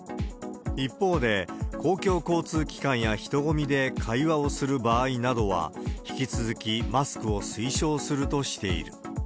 一方で、公共交通機関や人込みで会話をする場合などは、引き続きマスクを推奨するとしている。